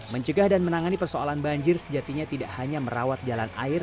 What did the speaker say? mencegah dan menangani persoalan banjir sejatinya tidak hanya merawat jalan air